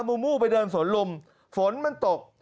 มูมูไปเดินสวนลุมฝนมันตก